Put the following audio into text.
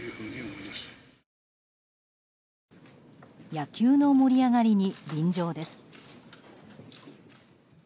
野球の盛り上がりに便乗です。